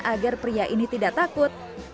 agar pria ini tidak takut